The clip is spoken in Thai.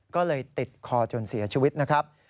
ก็เลยติดคอจนเสียชีวิตนะครับ